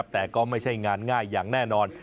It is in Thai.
แต่ก็ไม่ใช่งานง่ายอย่างแน่นอน